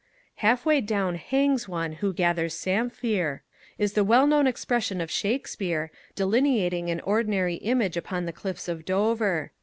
half way down Hangs one who gathers samphire, is the well known expression of Shakespeare, delineating an ordinary image upon the cliffs of Dover.